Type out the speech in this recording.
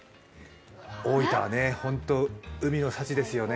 大分は本当に海の幸ですよね。